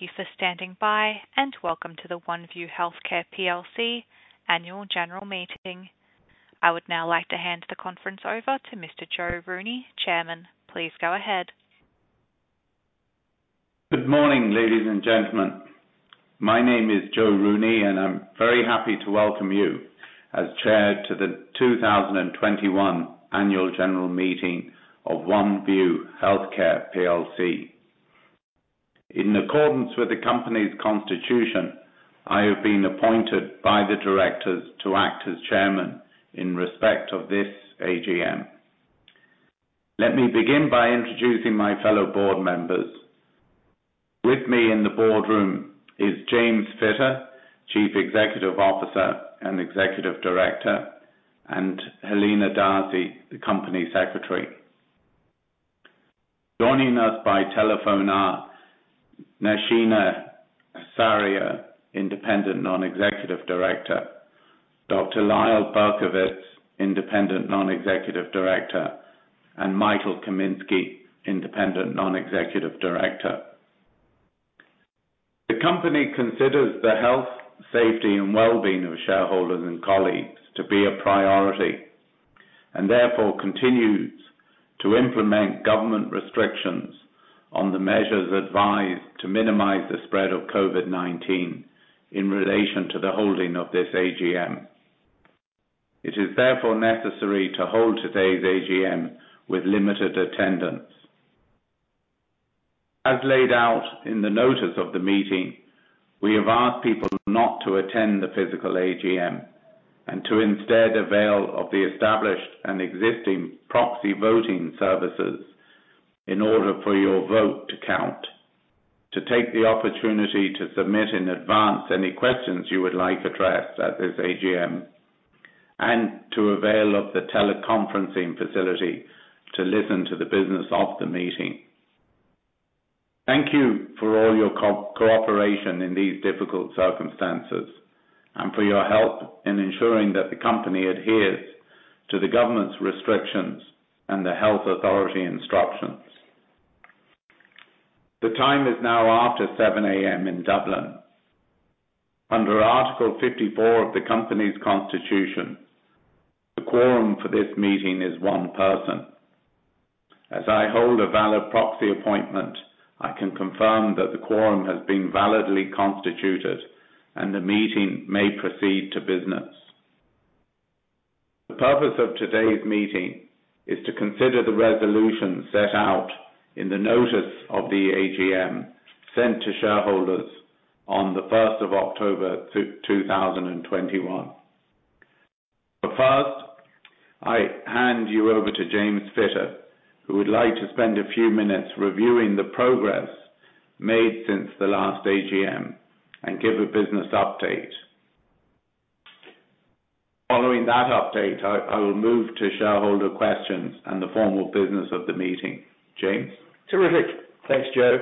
Thank you for standing by, and welcome to the Oneview Healthcare plc annual general meeting. I would now like to hand the conference over to Mr. Joe Rooney, Chairman. Please go ahead. Good morning, ladies and gentlemen. My name is Joe Rooney, and I'm very happy to welcome you as chair to the 2021 annual general meeting of Oneview Healthcare plc. In accordance with the company's constitution, I have been appointed by the directors to act as chairman in respect of this AGM. Let me begin by introducing my fellow board members. With me in the boardroom is James Fitter, Chief Executive Officer and Executive Director, and Helena D'Arcy, the Company Secretary. Joining us by telephone are Nashina Asaria, Independent Non-Executive Director, Dr. Lyle Berkowitz, Independent Non-Executive Director, and Michael Kaminski, Independent Non-Executive Director. The company considers the health, safety and well-being of shareholders and colleagues to be a priority and therefore continues to implement government restrictions on the measures advised to minimize the spread of COVID-19 in relation to the holding of this AGM. It is therefore necessary to hold today's AGM with limited attendance. As laid out in the notice of the meeting, we have asked people not to attend the physical AGM and to instead avail of the established and existing proxy voting services in order for your vote to count, to take the opportunity to submit in advance any questions you would like addressed at this AGM, and to avail of the teleconferencing facility to listen to the business of the meeting. Thank you for all your cooperation in these difficult circumstances and for your help in ensuring that the company adheres to the government's restrictions and the health authority instructions. The time is now after 7:00 A.M. in Dublin. Under Article 54 of the company's constitution, the quorum for this meeting is one person. As I hold a valid proxy appointment, I can confirm that the quorum has been validly constituted and the meeting may proceed to business. The purpose of today's meeting is to consider the resolutions set out in the notice of the AGM sent to shareholders on the first of October 2021. First, I hand you over to James Fitter, who would like to spend a few minutes reviewing the progress made since the last AGM and give a business update. Following that update, I will move to shareholder questions and the formal business of the meeting. James. Terrific. Thanks, Joe.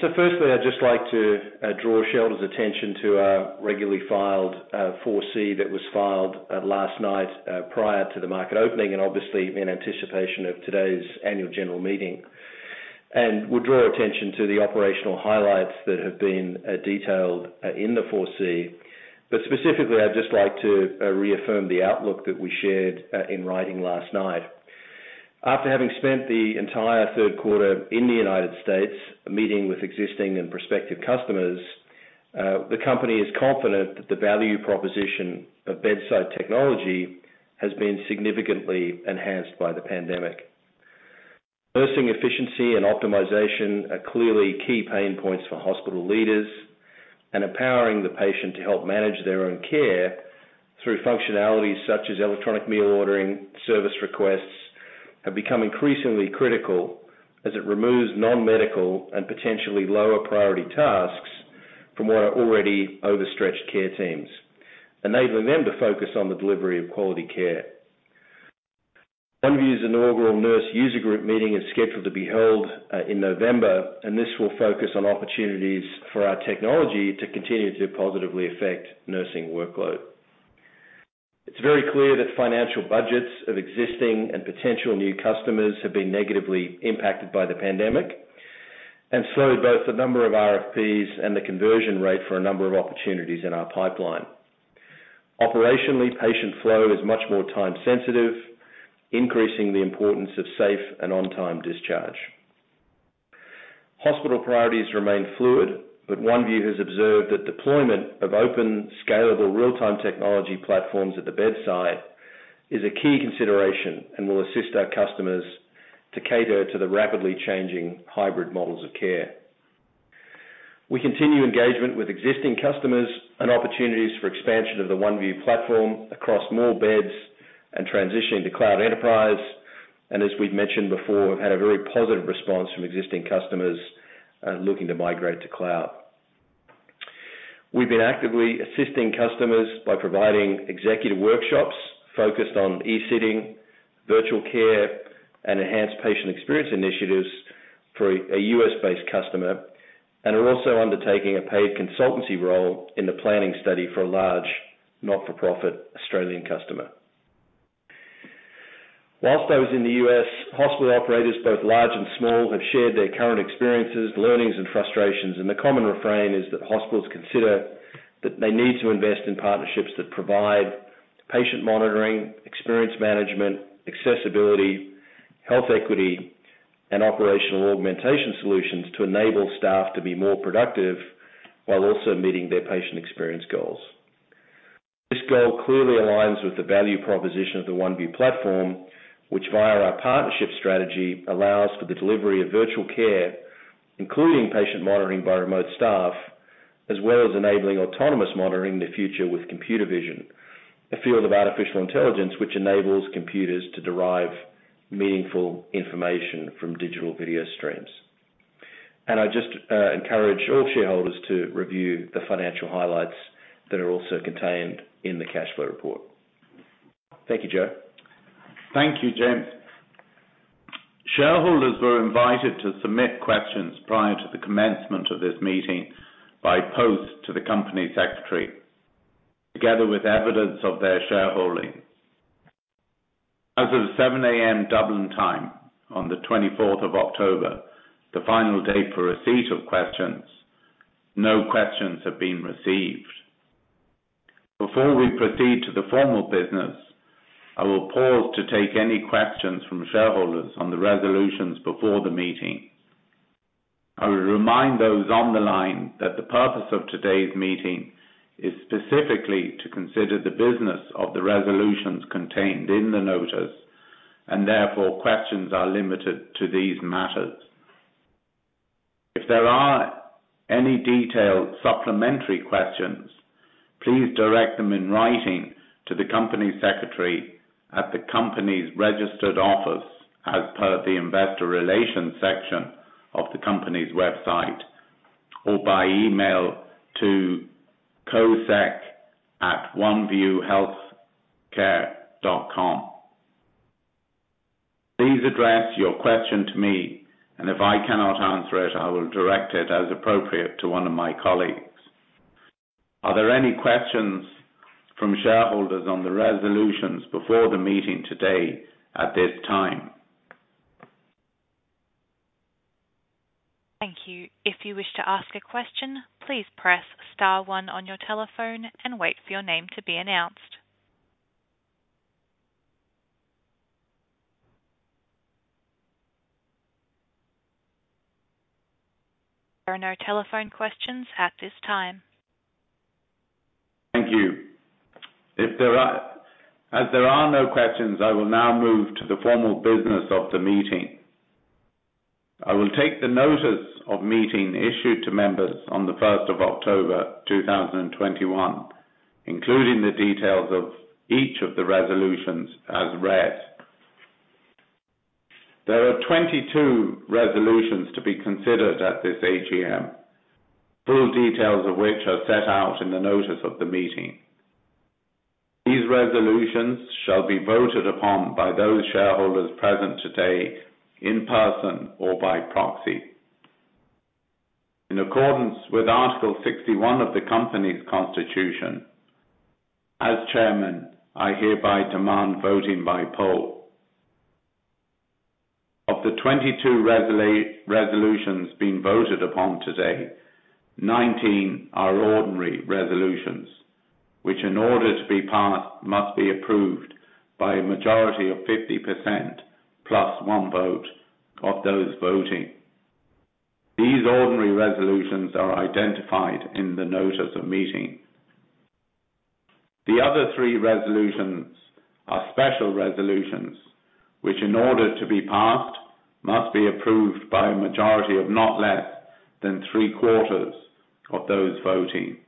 So firstly, I'd just like to draw shareholders' attention to our regularly filed 4C that was filed last night prior to the market opening and obviously in anticipation of today's annual general meeting. I would draw attention to the operational highlights that have been detailed in the 4C. Specifically, I'd just like to reaffirm the outlook that we shared in writing last night. After having spent the entire third quarter in the United States, meeting with existing and prospective customers, the company is confident that the value proposition of bedside technology has been significantly enhanced by the pandemic. Nursing efficiency and optimization are clearly key pain points for hospital leaders and empowering the patient to help manage their own care through functionalities such as electronic meal ordering, service requests, have become increasingly critical as it removes non-medical and potentially lower priority tasks from what are already overstretched care teams, enabling them to focus on the delivery of quality care. Oneview's inaugural nurse user group meeting is scheduled to be held in November, and this will focus on opportunities for our technology to continue to positively affect nursing workload. It's very clear that financial budgets of existing and potential new customers have been negatively impacted by the pandemic and slowed both the number of RFPs and the conversion rate for a number of opportunities in our pipeline. Operationally, patient flow is much more time sensitive, increasing the importance of safe and on-time discharge. Hospital priorities remain fluid, but Oneview has observed that deployment of open, scalable, real-time technology platforms at the bedside is a key consideration and will assist our customers to cater to the rapidly changing hybrid models of care. We continue engagement with existing customers and opportunities for expansion of the Oneview platform across more beds and transitioning to cloud enterprise, and as we've mentioned before, have had a very positive response from existing customers, looking to migrate to cloud. We've been actively assisting customers by providing executive workshops focused on e-sitting, virtual care, and enhanced patient experience initiatives for a U.S.-based customer, and are also undertaking a paid consultancy role in the planning study for a large, not-for-profit Australian customer. While I was in the U.S., hospital operators, both large and small, have shared their current experiences, learnings, and frustrations. The common refrain is that hospitals consider that they need to invest in partnerships that provide patient monitoring, experience management, accessibility, health equity, and operational augmentation solutions to enable staff to be more productive while also meeting their patient experience goals. This goal clearly aligns with the value proposition of the Oneview platform, which via our partnership strategy, allows for the delivery of virtual care, including patient monitoring by remote staff, as well as enabling autonomous monitoring in the future with computer vision, a field of artificial intelligence which enables computers to derive meaningful information from digital video streams. I just encourage all shareholders to review the financial highlights that are also contained in the cash flow report. Thank you, Joe. Thank you, James. Shareholders were invited to submit questions prior to the commencement of this meeting by post to the Company Secretary, together with evidence of their shareholding. As of 7:00 A.M. Dublin time on the 24th October, the final day for receipt of questions, no questions have been received. Before we proceed to the formal business, I will pause to take any questions from shareholders on the resolutions before the meeting. I will remind those on the line that the purpose of today's meeting is specifically to consider the business of the resolutions contained in the notice, and therefore questions are limited to these matters. If there are any detailed supplementary questions, please direct them in writing to the Company Secretary at the company's registered office as per the investor relations section of the company's website or by email to cosec@oneviewhealthcare.com. Please address your question to me, and if I cannot answer it, I will direct it as appropriate to one of my colleagues. Are there any questions from shareholders on the resolutions before the meeting today at this time? Thank you. If you wish to ask a question, please press star one on your telephone and wait for your name to be announced. There are no telephone questions at this time. Thank you. As there are no questions, I will now move to the formal business of the meeting. I will take the notice of meeting issued to members on the first of October 2021, including the details of each of the resolutions as read. There are 22 resolutions to be considered at this AGM, full details of which are set out in the notice of the meeting. These resolutions shall be voted upon by those shareholders present today in person or by proxy. In accordance with Article 61 of the company's constitution, as chairman, I hereby demand voting by poll. Of the 22 resolutions being voted upon today, 19 are ordinary resolutions, which in order to be passed, must be approved by a majority of 50% plus one vote of those voting. These ordinary resolutions are identified in the notice of meeting. The other three resolutions are special resolutions, which in order to be passed, must be approved by a majority of not less than three-quarters of those voting.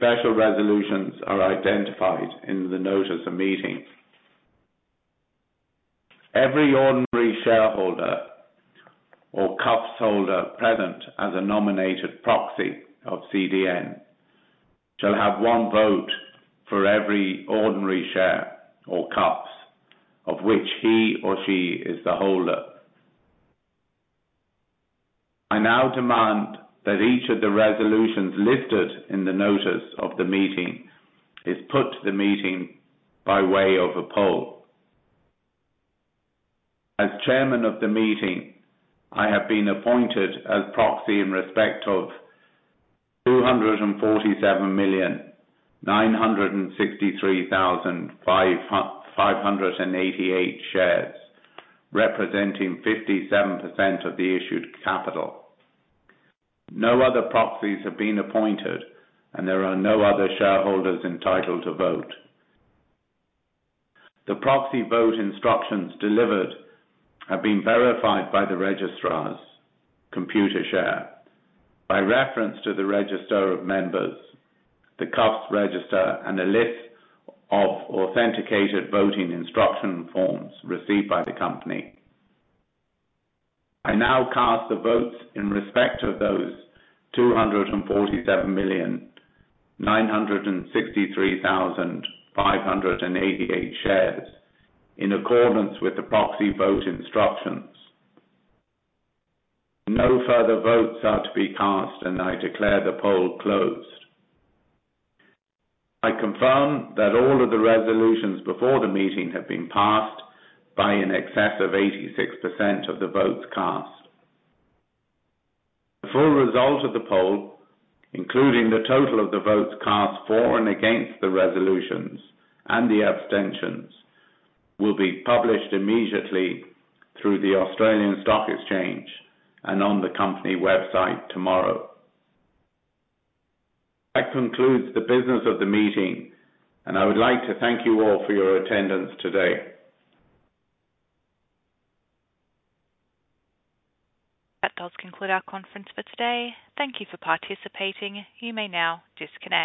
These special resolutions are identified in the notice of meeting. Every ordinary shareholder or CDIs holder present as a nominated proxy of CDN shall have one vote for every ordinary share or CDIs of which he or she is the holder. I now demand that each of the resolutions listed in the notice of the meeting is put to the meeting by way of a poll. As chairman of the meeting, I have been appointed as proxy in respect of 247,963,588 shares, representing 57% of the issued capital. No other proxies have been appointed and there are no other shareholders entitled to vote. The proxy vote instructions delivered have been verified by the registrar's Computershare by reference to the register of members, the CDIs register, and a list of authenticated voting instruction forms received by the company. I now cast the votes in respect of those 247,963,588 shares in accordance with the proxy vote instructions. No further votes are to be cast, and I declare the poll closed. I confirm that all of the resolutions before the meeting have been passed by in excess of 86% of the votes cast. The full result of the poll, including the total of the votes cast for and against the resolutions and the abstentions, will be published immediately through the Australian Securities Exchange and on the company website tomorrow. That concludes the business of the meeting, and I would like to thank you all for your attendance today. That does conclude our conference for today. Thank you for participating. You may now disconnect.